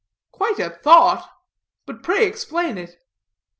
"Quite a thought. But, pray explain it."